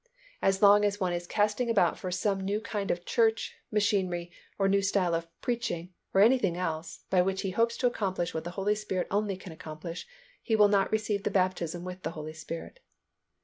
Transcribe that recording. As long as one is casting about for some new kind of church, machinery, or new style of preaching, or anything else, by which he hopes to accomplish what the Holy Spirit only can accomplish, he will not receive the baptism with the Holy Spirit.